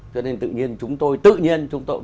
cho nên tự nhiên chúng tôi tự nhiên chúng tôi